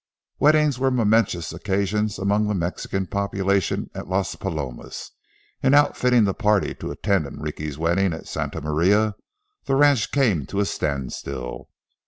Weddings were momentous occasions among the Mexican population at Las Palomas. In outfitting the party to attend Enrique's wedding at Santa Maria, the ranch came to a standstill.